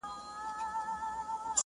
ډیري مو په هیله د شبقدر شوګیرۍ کړي-